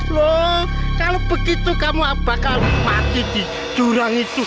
loh kalau begitu kamu bakal mati di jurang itu